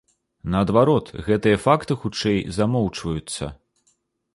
Наадварот, гэтыя факты хутчэй замоўчваюцца.